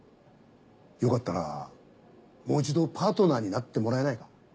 よかったらもう一度パートナーになってもらえないか？